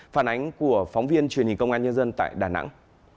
phản ánh của phóng viên truyền hình công an nhân dân tại đà nẵng